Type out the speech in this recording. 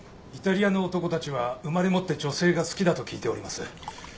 イタリアの男たちは生まれ持って女性が好きだと聞いております。